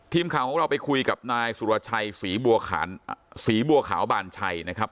ทีมข่าวของเราไปคุยกับนายสุรชัยศรีบัวขาวบานชัยนะครับ